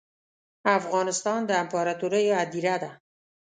افغانستان ده امپراتوریو هدیره ده